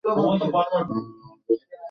আমি তোমাকে খুব বেশি আদর করেছি।